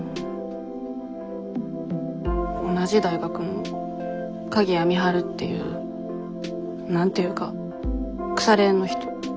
同じ大学の鍵谷美晴っていう何て言うか腐れ縁の人。